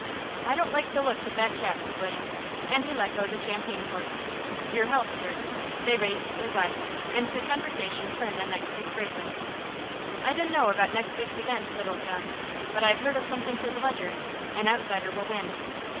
"I don't like the looks of that chap," said William, and he let go the champagne cork. "Yer health, sir." They raised their glasses, and the conversation turned on next week's racing. "I dun know about next week's events," said old John, "but I've heard of something for the Leger an outsider will win."